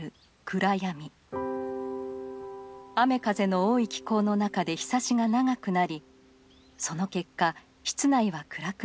雨風の多い気候の中でひさしが長くなりその結果室内は暗くなった。